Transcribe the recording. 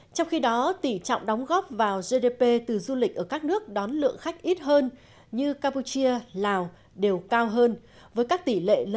trong khi đó tỉ trọng đóng góp vào gdp từ du lịch ở các nước đón lượng khách ít hơn như campuchia lào đều cao hơn với các tỷ lệ lần lượt là hai mươi tám ba một mươi bốn hai